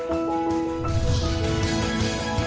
โอเค